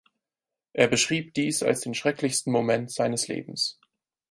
Er beschrieb dies als den schrecklichsten Moment seines Lebens.